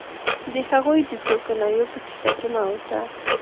د هغوی د څو کنایو په کیسه کې مه اوسه